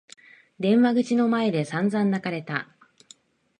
電話口の前で散々泣かれた。